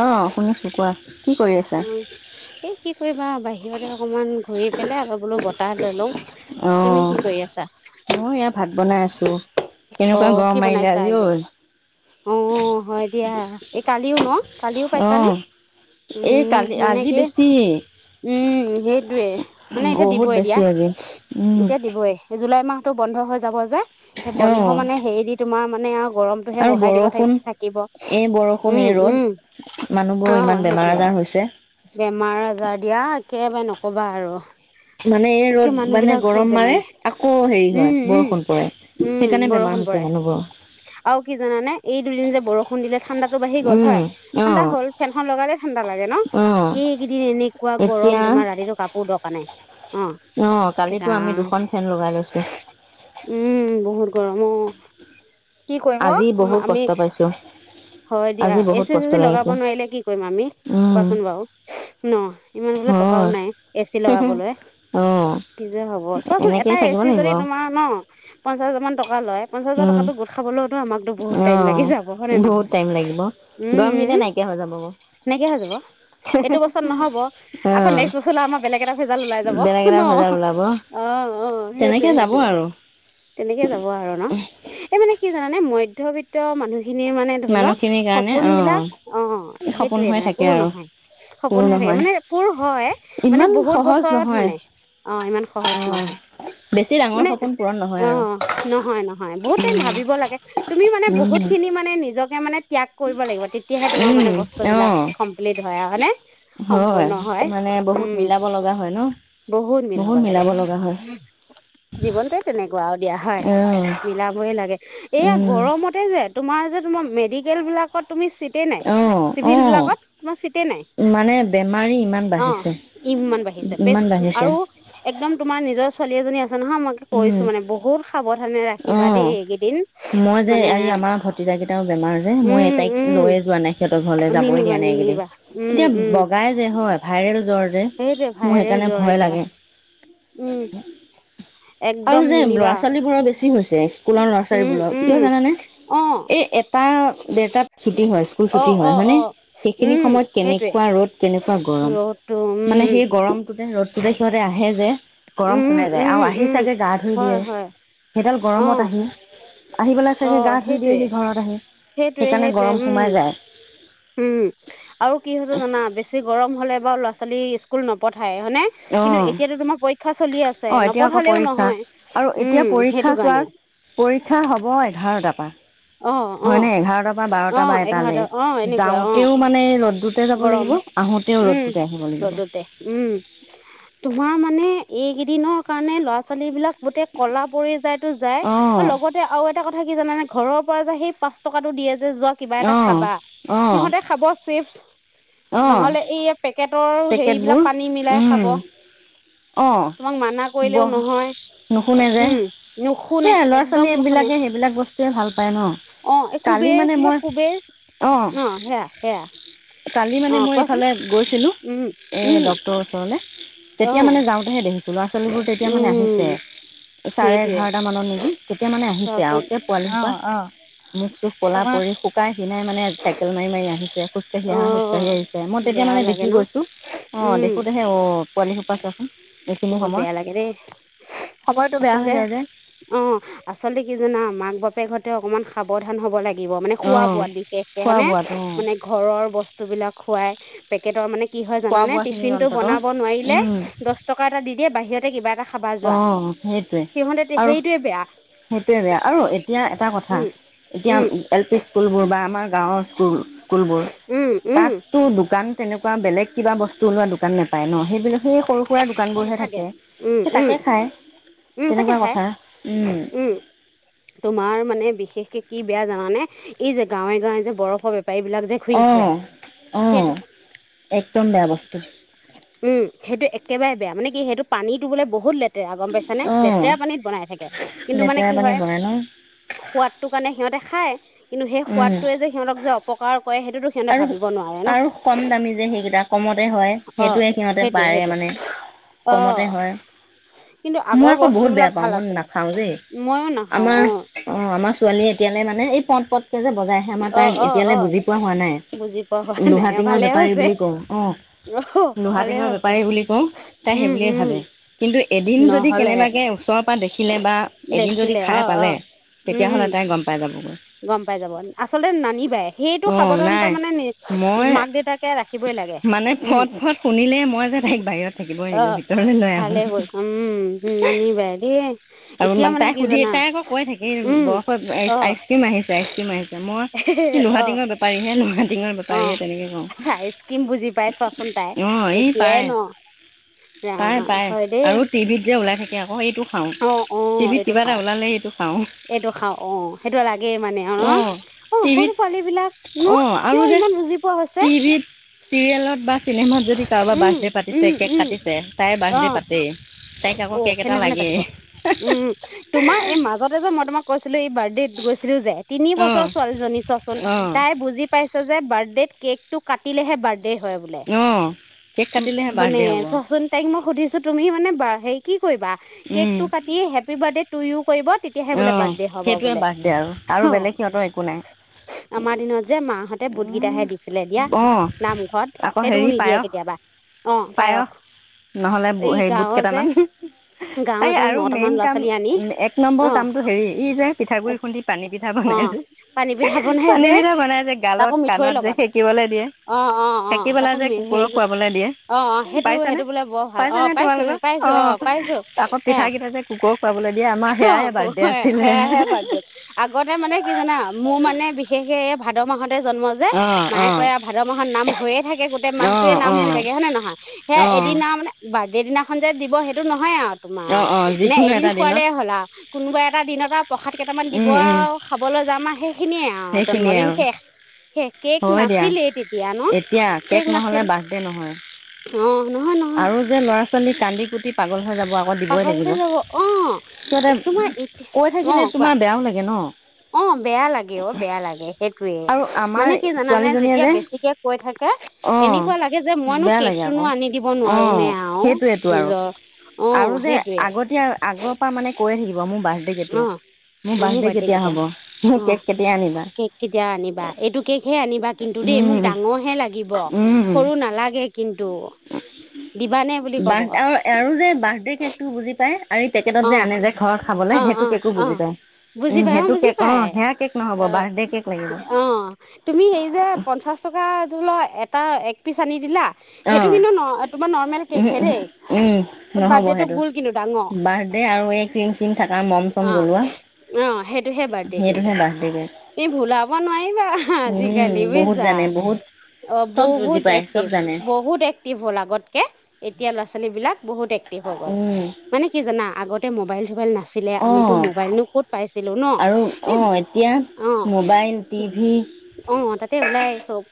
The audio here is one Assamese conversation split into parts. আহ শুনিছো কোৱা। উ এ কি, কৰিবা বাহি। সিহঁতে অকমান ঘূৰি পেলাই আকৌ বোলো বতাহ লৈ লওঁ, তুমি কি কৰি আছা। ভাত বনাই আছো, কেনেকুৱা গৰম মাৰিলে আজি 'ল। অ হয় দিয়া এই কালিও ন কালিও পাইছানে। এই কালি আজি বেছি। উম সেইটোয়ে, মানে এতিয়া দিবই এতিয়া এতিয়া দিবই জুলাই মাহ। টো বন্ধ হৈ যাব যে। সেই বন্ধ মানে হেৰি দি তোমাৰ মানে আও। গৰমতটোহে বঢ়াই দিব থাকিব উম-উম। মানুহবোৰ ইমান বেমাৰ আজাৰ হৈছে। বেমাৰ আজাৰ দিয়া একেবাৰে নকবা আৰু। মানে এই ৰ'দ মানে গৰম মাৰে আকৌ হেৰি হয় বৰষুণ পৰে। সেইকাৰণে বেমাৰ হৈছে মানুহবোৰৰ। আৰু কি জানানে এই দুদিন যে বৰষুণ দিলে ঠাণ্ডাতো বাঢ়ি গ'ল হয় ঠাণ্ডা হ'ল ফেনখন লগালে। ঠাণ্ডা লাগে ন এইকেইদিন এনেকুৱা গৰম তোমাৰ ৰাতিটো কাপোৰ দৰকাৰ নাই। অ কেদা উম। বহুত গৰম অ কি কৈ অ আমি। [unintelligible] হয় দিয়া এচি চেচি লগাব নোৱাৰিলে কি কৰিম আমি কোৱাচোন বাৰু ন উম। টকাও নাই এচি লগাবলে। কি যে হ'ব চোৱাচোন এটা এচি যদি তোমাৰ ন পঞ্চাশ হাজাৰ মান ট। কা লয় পঞ্চাছ হাজাৰ টকাটো গ [unintelligible] টো আমাকতো বহুত টাইম লাগি যাব হয় নে নহয় উম। নাইকিয়া হৈ যাব। এইটো বছৰ নহব আকৌ নেক্সট বছৰ আমাৰ বেলেগ এটা ভেজাল ওলাই যাব ন অ। অ-অ সেইটোৱে-সেইটোৱে এনেকে যাব আৰু ন এ। জানে মধ্যবিত্ত মানুহ। দিনে মানে ধৰি ল সপোন বিলাক অ সেইটোয়ে মানে পোৰ নহয় সপোন। মানে পোৰ হয় মানে বহুত বছৰত মানে অ ইমান সহজ নহয়। মানে অ নহয় নহয় বহুত। ভাবিব লাগে তুমি মানে বহুত খিনি মানে নিজকে মানে। ত্যাগ কৰিব লাগিব তেতিয়াহে তোমাৰ মানে বস্তু বিলাক কমপ্লিট হয় আৰু হয় নে সম্পূৰ্ণ হয়। বহুত মিলাব লগা হয় ন। বহুত মিলাব লাগে জীৱনটোৱে তেনেকুৱাও দিয়া হয় মিলা। [unintelligible] এইয়া গৰমতে যে তোমাৰ যে তোমাৰ মেডিকেল বিলাকত। তুমি চিটে নাই চিভিল বিলাকত তোমাৰ চিটে নাই। অ ইমান বাঢ়িছে পেচ আৰু একদম তোমাৰ নিজ। ছোৱালী এজনী আছে নহয় মই কৈছো মানে বহুত সাৱধানে ৰাখি। বা দেই এইকেদিন মানে উম-উম। নিনিবা-নিনিবা উম-উম। জ্বৰ যে মোৰ সেইকাৰণে ভয় লাগে। আৰু যে ল'ৰা ছোৱালী বোৰৰ বেছি হৈছে। কুলৰ লৰা ছোৱালীবিলাক কিয় জানানে এই এটা দেটাত ছুটি হয় স্কুল হয়। মানে সেইখিনি সময়ত কেনেকুৱা ৰ'দ কেনেকুৱা গৰম মানে সেই গৰমটোতে ৰ'দ। সিহঁতে আহে যে গৰম হোমাই যায় আৰু আহি চাগে গা ধুই দিয়ে। সেইডাল গৰমত আহি। অঁ সেইটোঁৱে-সেইটোঁৱে-সেইটোঁৱে উম। উম আৰু কি হৈছে জানা বেছি গৰম হলে বাৰু ল'ৰা ছোৱালী স্কুল নপঠ। ভাই হয়নে কিন্তু এতিয়াাতো তোমাৰ পৰীক্ষা চলি আছে নপঠালেও নহয় উম সেইটো। বানে। পৰীক্ষা হ'ব এঘাৰটাত। হয় নে এঘাৰটা পা বাৰটা বা এটালে যাওঁতেও মানে ৰদু। গৰম উম ৰ'দতে উম। তোমাৰ মানে এইকেইদিনৰ কাৰণে ল'ৰা ছোৱালীবিলাক। গোটেই কলা পৰি যায়তো যায় আৰু লগতে আৰু এটা কথা কি জানানে। ঘৰৰ পৰা যে সেই পাঁচ টকাতটো দিয়ে যে যোৱা কিবা এটা খাবা সিহঁতে খাব চিপচ। নহলে এই পেকেটৰ হেৰিবিলাক পানী মিলাই খাব। তোমাক মানা কৰিলেও নহয়। উম, নুশুনে একদম নুশুনে। অ এক কোবে কিবা কোবেৰ, অ সেয়া সেয়া। কালি মানে মই এইফালে গৈছিলোঁ, এই ডক্টৰ ওচৰলে। তেতিয়া মানে যাওঁতেহে দেখিছোঁ, ল'ৰা ছোৱালীবোৰ তেতিয়া মানে আহিছে। চাৰে এঘাৰটামানত নেকি, তেতিয়া মানে আহিছে আও। তেতিয়া পোৱালিসোপা মুখ চুখ কলা পৰি শুকাই শিনাই মানে চাইকেল মাৰি মাৰি আহিছে খু খোজকাঢ়ি আহা খোজকাঢ়ি আহিছে, মই তেতিয়া মানে দেখি গৈছোঁ, অঁ দেখোঁতেহে অঁ পোৱালি হুপা চোৱা চুন। বহুত বেয়া লাগে দেই। আচলতে অঁ আচলতে কি জানা মাক বাপেক হতে অকমান সাৱধান হ'ব লাগে। দিব মানে খোৱা বোৱাত বিক্ষেকে মানে, মানে ঘৰৰ বস্তু বিলাক খুৱাই পেটৰ মানে কি হয় জানানে টিফিন টো বনাব নোৱাৰিলে দহ টকা এটা দি দিয়ে বাহিৰতে কিবা এটা খাবা যোৱা, সিহঁতে সেইটোৱে বেয়া। সেইটোয়ে বেয়া আৰু এতিয়া এটা কথা এতিয়া এল পি স্কুল বোৰ বা আমাৰ গাঁৱৰ স্কুল স্কুলবোৰ তাততো দোকান তেনেকুৱা বেলেগ কিবা বস্তু ওলোৱা দোকান নোপায় ন সেইবিলাক সেই সৰু সুৰা দোকান বোৰহে থাকে। তাকে খাই, তেনেকুৱা কথা, উম। মানে বিশেষকে কি বেয়া জানে এই যে গাঁৱে গাঁৱে যে বৰফৰ বে বেপাৰী বিলাক যে ঘুৰি ফুুৱে সেইটো উম সেইটো একেবাৰে বেয়া, মানে কি সেইটো পানীটো বোলে বহুত লে লেতেৰা গম পাইছা নে, লেতেৰা পানীত বনাই থাকে কিন্তু মানে কি হয় সোৱাদটো কাৰণে সিহঁতে খায় কিন্তু সেই সোৱাদটোৱে যে সিহঁতক যে অপকাৰ কৰে সেইটোতো সিহঁতে ভাবিব নোৱাৰে ন, অঁ সেইটোৱে সেইটোৱে। কমতে হয়। মই আকৌ বহুত বেয়া পাওঁ, মই নাখাওঁ দেই, আমাৰ অঁ আমাৰ ছোৱালীয়ে এতিয়ালৈ মানে এই পট পটকে যে বজাই আহে, আমাৰ তাক এতিয়ালৈ বুজি পোৱা হোৱা নাই। লোহা টিঙৰ বেপাৰী বুলি কওঁ, অ লোহা টিঙৰ বেপাৰী বুলি কওঁ তাই সেইবুলিয়ে ভাবে, কিন্তু এদিন যদি কেনেবাকে ওচৰৰ পৰা দেখিলে বা এদিন যদি খাই পালে তেতিয়াহ'লে তাই গম পাই গম পাই যাব, আচলতে নানিবাই হিয়েইটো সাৱধৰত মানে মেনেছ মাক দেউতাকে ৰাখিবই লাগে, উম অ' ভালে কৰিছে, উম নানিবাই দেই, এতিয়া মানে কি জানা? [unintelligible] থাকিম, ‌ বৰফত আইচ - আইচ ক্ৰীম আহি আইচ ক্ৰীম আহিছে, মই ই লোহা টিঙৰ বেপাৰীহে লোহা টিঙৰ বেপাৰীহে তেনেকে কওঁ, অ' এই পাই। পাই পাই আৰু টিভিত যে ওলাই থাকে আকৌ এইটো খাওঁ টিভিত কিবা এটা ওলালে সেইটো এইটো খাওঁ অ সেইটো লাগেই মানে অ ন'? অ সৰু পোৱালী বিলাক ন'? আৰু যে টি ভিত চিৰিয়েলত বা চিনেমাত যদি কাৰোবাৰ বাৰ্থডে' পাতিছে কেক কাটিছে, তাই বাৰ্থডে' পাতেই। অ' সেইদনা খনে পাতিব, উম উম তোমাৰ এই মাজতে যে মই তোমাক কৈছিলো এই বাৰ্ড ডেত গৈছিলো যে, তিনি বছৰ ছোৱালীজনী চোৱাচোন, তাই বুজি পাই হৈছে যে বাৰ্ড ডেত কেকটো কাটিলেহে বাৰ্ড ডে হয় বোলে, উ মানে চোৱাচোন তাইক মই সুধিছো তুমি মানে বা হেৰি কি কৰিবা? কেক টো কাটিয়ে হেপী বাৰ্থডে তুইও কৰিব। তেতিয়াহে বোলে বাৰ্থডে হ'ব বোলে, অ' আমাৰ দিনত যে মা হঁতে এ বুটগিতাহে দিছিলে দিয়া নামঘৰত, সেইটোও নিদিয়ে কেতিয়াবা। অ' পায়স। নহলে বু হেৰি বুট কেটামান, আৰে আৰু মেইন কাম এক নম্বৰ কামটো হেৰি ই যে পিঠাগুডৰি খুন্দি পানী পিঠা বনাই যে পানী পিঠা বনাই যে, গালত, কাণত যে সেকিবলৈ দিয়ে। সেকি পেলাই যে কুকুৰক খোৱাবলৈ দিয়ে। পাইছানে পাইছানে তোমালোকৰ অ' আকৌ পিঠাগিটা যে কুকুৰক খুৱাবলৈ দিয়ে আমাৰ সেয়াই বাৰ হয়। সেয়াহে বাৰ্ড ডে। আগতে মানে কি জানা, মোৰ মানে বিশেষকে এই ভাদ তে জন্ম যে মায়ে কয় ভাদ মাহত নাম হৈয়ে থাকে। গোটেই মাহটোয়ে নাম হৈ থাকে হয়নে নহয়। সেয়াই এদিন আৰু মানে বাৰ্ডডে দিনাখন যে দিব সেইটো নহয় আৰু তোমাৰ মানে এদিন খুৱালেই হ'ল আৰু কোনোবা এটা দিনত আৰু প্ৰসাদ কেটামান দিব আৰু খাবলৈ যাম আৰু সেইখিনিয়ে। য়ে আৰু জন্মদিন শেষ। সেই কেক নাছিলেই তেতিয়া ন কেক নাছিল। অ' নহয়, নহয়। পাগল হৈ যাব অ' এক, [unintelligible] অ কোৱা? অ' বেয়া লাগে। [unintelligible] বেয়া লাগে সেইটোয়ে, মানে কি জানানে যেতিয়া বেছিকে কৈ থাকে এনেকুৱা লা গে যে মইনো কেকটো নো আনি দিব নোৱাৰো নে আও নিজৰ আৰু যে, আগতীয়া আগৰ পা মানে কৈ থাকি ব মোৰ বাৰ্থডে' কেতিয়া! মোৰ বাৰ্থডে' কেতিয়া হ'ব! মোক কেক কেতিয়া আনিবা? কেক কেতিয়া আনিবা? এইটো কেকহে আনিবা কিন্তু দেই, মোক ডাঙৰহে লাগিব, সৰু নালাগে কিন্তু। বাৰ্থ আৰু আৰু যে বাৰ্থডে কেকটো বুজি পাই আৰু এই পেকেটত যে আনে যে ঘৰত খাবলে সেইটো কেকো বুজি পায়। বুজি পাই অ' বুজি পাই। অ অ' তুমি হেৰি যে, পঞ্চাছ টকা [unintelligible] এটা এক পিচ আনি দিলা সেইটো কিন্তু নৰ তোমাৰ নৰ্মেল কেক হে দেই। বাৰ্থডে টো গোল কিন্তু ডাঙৰ। দে আৰু এই ক্ৰীম চিম থাকা, মম চম জ্বলোৱা। অ' 'সেইটোহে বাৰ্থডে কিন্তু। তুমি ভূলাব নোৱাৰিবা আজিকালি বুইছা। অ' বহুত এক্টিভ। ব এক্টিভ হ'ল আগতকে এতিয়া ল'ৰা ছোৱালী বিলাক বহুত এক্টিভ হৈ গ'ল। মানে কি জানা আগতে মোবাইল-চোবাইল নাছ ছিলে আমিতো মোবাইলনো ক'ত পাইছিলো ন এ অ'। অ' তাতে ওলাই চব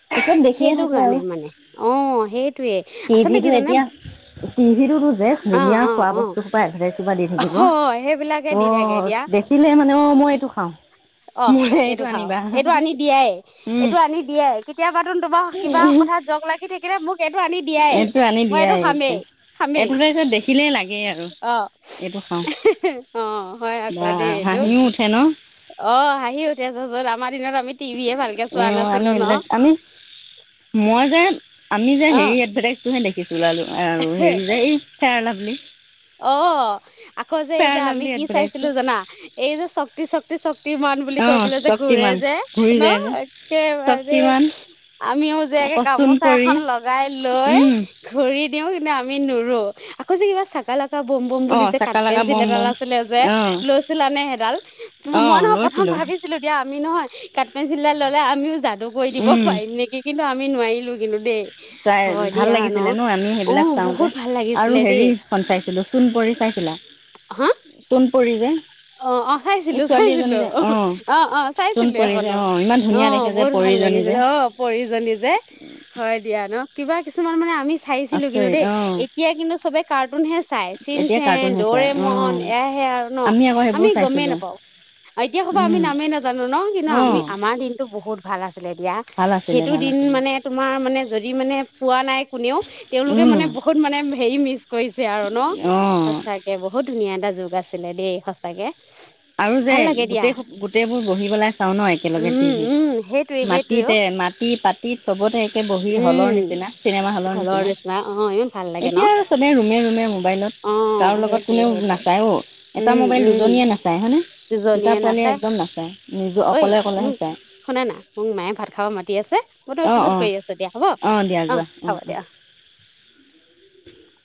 সেইটো কাৰণে মানে। অ' সেই টিভি টো এতিয়া, টিভি টোতো যে দুনিয়াৰ খোৱা বস্তু সোপা এডভাৰটাইজ দি থাকিব। ত' দেখিলে মানে অ' মই এইটো খাওঁ। অহ এইটো খাও এইটো আনি দিয়াই এইটো আনি দিয়াই কেতিয়াব তন তোমাৰ কিবা কথা। জগ লাগি থাকিলে মোক এইটো আনি দি এইটো আনি দিয়া এইটোৱে, এইটো দেখিলেই লাগেই আৰু। এইটো খাওঁ বা হাঁহিও উঠে ন। অ' হাঁহি উঠি ছোন আমাৰ আমি এইবিলাক আমি মই যে, আমি যে হেৰি এডভাৰটাইজটোহে দেখ ওলালো আৰু হেৰি যে এই ফেয়াৰ লাভলী। অ' আকৌ যে এই যে আমি কি চাইছিলো জানা এই যে শক্তি, শক্তি, শক্তি ক্তি মান বুলি কৈ পেলাই যে ঘূৰে যে ন। একেবাৰেই আমিও গামোচা এখন লগাই লৈ দিওঁ কিন্তু আমি নুৰু। আকৌ যে কিবা চাকা লাগ বোম বম বুলি যে কাট পেঞ্চিল এডাল আছিলে যে লৈছিলা নে সেইডাল, মই নহয় প্ৰথম ভাবিছিলো দিয়া আমি নহয় কাট পেঞ্চিল ডাল ললে আমিও যাদু কৰি দিব পাৰিম নেকি কি টো আমি নোৱাৰিলো কিন্তু দেই। তাই ভাল লাগিছিলে ন আমি সেইবিলাক চাওঁতে আৰু হেৰি পঞ্চায় ছিলো চণ পৰি চাইছিলা চণ পৰি যে। অ অ চাইছিলো চাইছিলো অ অ অ চাইছিলো এখনো অ বহুত ভাল ভাল লাগিছিল অ পৰিজনী যে হয় দিয়া ন কিবা কিছুমান মানে আমি চাইছিলো কিন্তু দেই এতিয়া কিন্তু চবে কাৰ্টুন হে চাই চিন চেন, দৌৰে মন এয়াহে আৰু ন সেইবোৰ চাইছিলোঁ এতিয়া হ'বা আমি নামেই নাজানো ন কিন্তু আমি আমাৰ দিনতটো বহুত ভাল আছিলে দিয়া সেইটো দিন মানে তোমাৰ মানে যদি মানে পোৱা নাই কোনেও তেওঁলোকে মানে বহুত মানে হেৰি মিচ কৰিছে আৰু ন সচাকে বহুত ধুনীয়া এটা যুগ আছিলে দেই সঁচাকে [unintelligible] আৰু যে গোটেই গোটেইবোৰ বহি পেলাই চাওঁ ন একেলগে টিভিত মাটিতে মাত টি পাতিত চবতে বহি হলৰ নিচিনা চিনেমা হলৰ নিচিনা এতিয়া আৰু ৰুমে ৰুমে মোবাইলত কাৰো কোনেও নাচায় ও এটা মোবাইল দুটা দুজনীয়ে নাচায় ঐ মোক শুনা নাই মোক মায়ে ভাত খাব মাতি আছে মইতো অফিচত কৰি আছো দিয়া হ'ব অ হ'ব দিয়া অ [unintelligible]